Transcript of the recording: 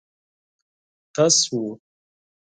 تش و.